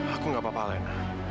aku tidak apa apa glen